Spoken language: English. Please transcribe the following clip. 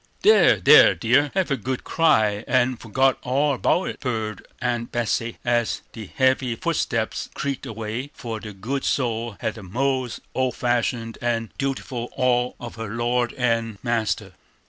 "There, there, dear, hev a good cry, and forgit all about it!" purred Aunt Betsey, as the heavy footsteps creaked away, for the good soul had a most old fashioned and dutiful awe of her lord and master.